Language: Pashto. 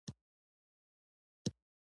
فکر کوي دا یو هوسا سفر دی.